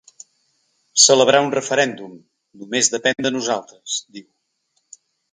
Celebrar un referèndum només depèn de nosaltres, diu.